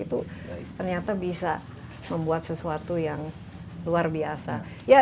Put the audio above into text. itu ternyata bisa membuat sesuatu yang luar biasa